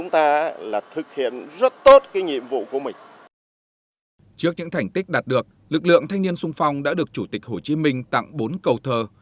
trước những thành tích đạt được lực lượng thanh niên sung phong đã được chủ tịch hồ chí minh tặng bốn câu thơ